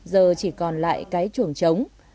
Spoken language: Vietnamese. giờ chỉ còn lại cái chuồng trống